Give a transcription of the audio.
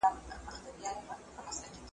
همدا اوس چي د آرام سفر پر لار یاست .